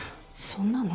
そんなの？